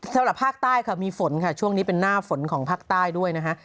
สำหรับภาคใต้ค่ะมีฝนค่ะช่วงนี้เป็นหน้าฝนของภาคใต้ด้วยนะฮะ